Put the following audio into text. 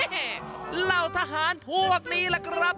เหล่าทหารพวกนี้ล่ะครับ